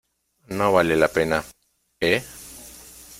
no vale la pena, ¿ eh?